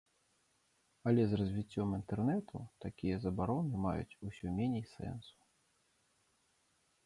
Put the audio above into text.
Але з развіццём інтэрнэту такія забароны маюць усё меней сэнсу.